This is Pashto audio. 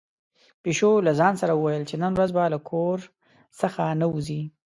پيشو له ځان سره ویل چې نن ورځ به له کور څخه نه وځي.